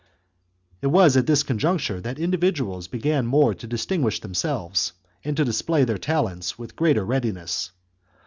CHAP. It was at this conjuncture that individuals began more to distinguish themselves, and to display their talents with greater readiness.